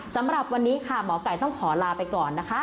สำหรับวันนี้ค่ะหมอไก่ต้องขอลาไปก่อนนะคะ